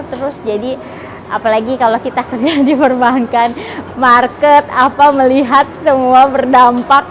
terus jadi apalagi kalau kita kerja di perbankan market apa melihat semua berdampak